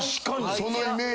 そのイメージ。